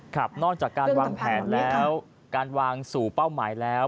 นอกจากการวางแผนแล้วการวางสู่เป้าหมายแล้ว